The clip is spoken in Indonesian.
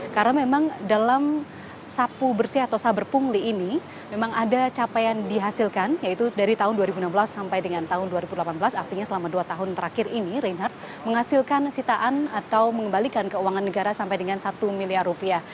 karena memang dalam sabu bersih atau saber pungli ini memang ada capaian dihasilkan yaitu dari tahun dua ribu enam belas sampai dengan tahun dua ribu delapan belas artinya selama dua tahun terakhir ini reinhardt menghasilkan sitaan atau mengembalikan keuangan negara sampai dengan satu miliar rupiah